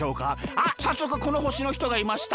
あっさっそくこのほしのひとがいました。